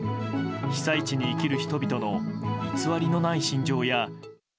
被災地に生きる人々の偽りのない心情や。